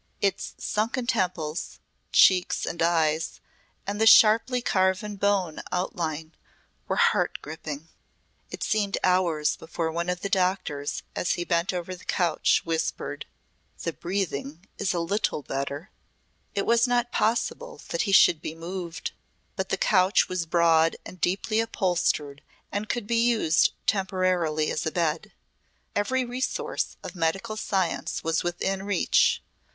Its sunken temples, cheeks and eyes, and the sharply carven bone outline were heart gripping. It seemed hours before one of the doctors as he bent over the couch whispered, "The breathing is a little better " It was not possible that he should be moved, but the couch was broad and deeply upholstered and could be used temporarily as a bed. Every resource of medical science was within reach.